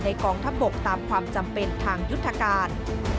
กองทัพบกตามความจำเป็นทางยุทธการ